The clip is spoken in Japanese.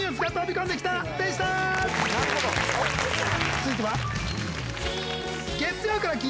続いては。